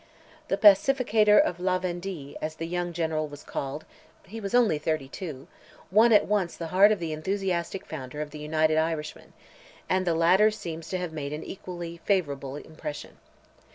The "pacificator of La Vendee," as the young general was called—he was only thirty two,—won at once the heart of the enthusiastic founder of the United Irishmen, and the latter seems to have made an equally favourable impression.